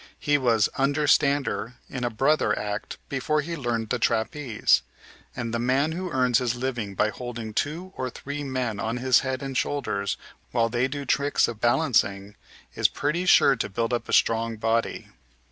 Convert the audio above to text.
He was "understander" in a "brother" act before he learned the trapeze; and the man who earns his living by holding two or three men on his head and shoulders while they do tricks of balancing is pretty sure to build up a strong body.